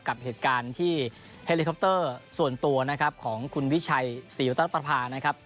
กับเหตุการณ์ที่เฮลิคอปเตอร์ส่วนตัวนะครับของคุณวิชัยศรีวัตนประพานะครับ